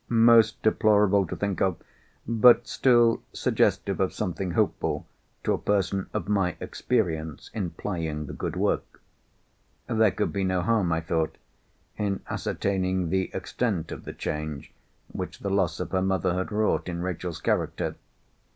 Most deplorable to think of—but, still, suggestive of something hopeful, to a person of my experience in plying the good work. There could be no harm, I thought, in ascertaining the extent of the change which the loss of her mother had wrought in Rachel's character.